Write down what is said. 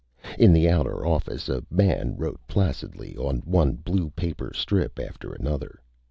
In the outer office a man wrote placidly on one blue paper strip after another.